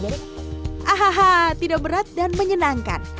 hahaha tidak berat dan menyenangkan